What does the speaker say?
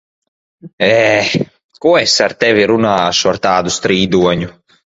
Ē! Ko es ar tevi runāšu, ar tādu strīdoņu?